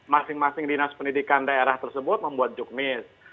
masing masing dinas pendidikan daerah tersebut membuat jukmis